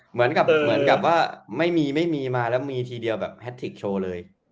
เหมือนกับไม่มีไม่มีมาแล้วมีทีเดียวแบบแฮททิกโชว์เลย